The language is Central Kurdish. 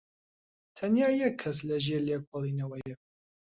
تەنیا یەک کەس لەژێر لێکۆڵینەوەیە.